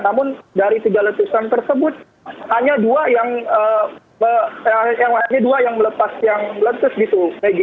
namun dari tiga letusan tersebut hanya dua yang melepas yang letus gitu megi